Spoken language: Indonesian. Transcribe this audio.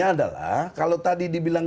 adalah kalo tadi dibilang